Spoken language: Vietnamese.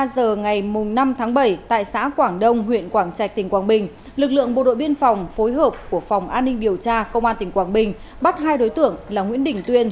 một mươi giờ ngày năm tháng bảy tại xã quảng đông huyện quảng trạch tỉnh quảng bình lực lượng bộ đội biên phòng phối hợp của phòng an ninh điều tra công an tỉnh quảng bình bắt hai đối tượng là nguyễn đình tuyên